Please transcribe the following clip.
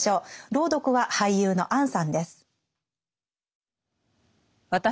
朗読は俳優の杏さんです。